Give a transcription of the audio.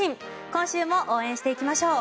今週も応援していきましょう。